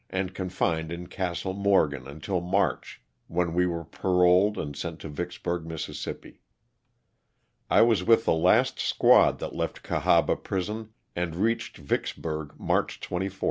and confined in Castle Morgan until March, when we were paroled and sent to Vicksburg, Miss. I was with the last squad that left Cahaba prison and reached Vicksburg March 24, 1865.